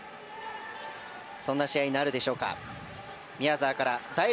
そんな試合になるでしょうか。